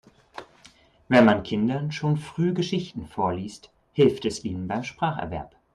Wenn man Kindern schon früh Geschichten vorliest, hilft es ihnen beim Spracherwerb.